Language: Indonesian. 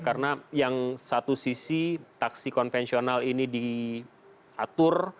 karena yang satu sisi taksi konvensional ini diatur